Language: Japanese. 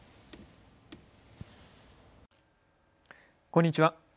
こんにちは。